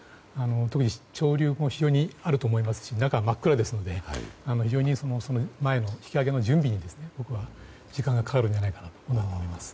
特に、潮流も非常にあると思いますし中は真っ暗ですので非常に引き揚げの準備に時間がかかるんじゃないかと思います。